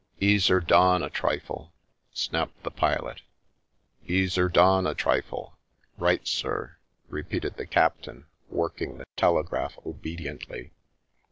" Ease 'er dahn a trifle !" snapped the pilot. "Ease 'er dahn a trifle! Right, sir!" repeated the captain, working the telegraph obediently.